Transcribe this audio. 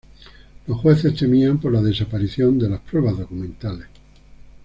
Los jueces temían por la desaparición de las pruebas documentales.